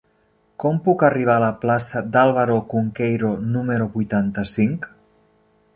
Com puc arribar a la plaça d'Álvaro Cunqueiro número vuitanta-cinc?